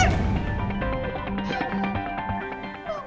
mama mau ketemu andi